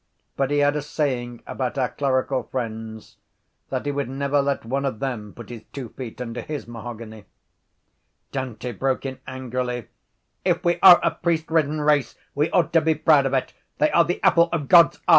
But he had a saying about our clerical friends, that he would never let one of them put his two feet under his mahogany. Dante broke in angrily: —If we are a priestridden race we ought to be proud of it! They are the apple of God’s eye.